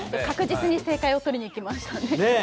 確実に正解をとりにいきましたね。